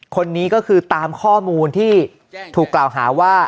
คนนี้ก็คือตามข้อมูลที่ถูกกล่าวหาว่า